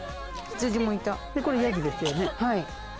これ、ヤギですよね。